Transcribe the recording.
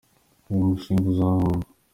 Uyu mushinga uzahomba.